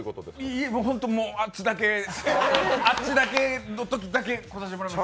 いやもうあっちだけあっちだけのときだけ出させてもらいます。